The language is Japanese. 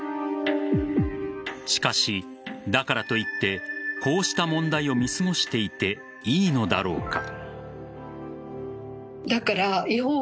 しかし、だからといってこうした問題を見過ごしていていいのだろうか。